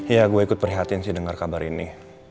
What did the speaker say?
iya gue ikut perhatian sih denger kabar ini